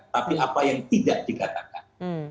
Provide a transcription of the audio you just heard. tapi apa yang tidak dikatakan